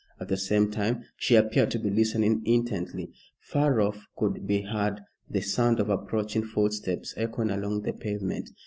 At the same time she appeared to be listening intently. Far off could be heard the sound of approaching footsteps echoing along the pavement.